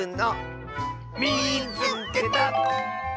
「みいつけた！」。